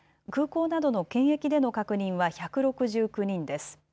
空港などの検疫での確認は１６９人です。